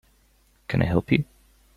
Can I help you?